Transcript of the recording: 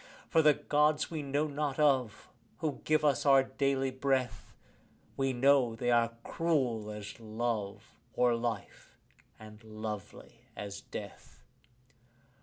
For the Gods we know not of, who give us our daily breath, We know they are cruel as love or life, and lovely as death.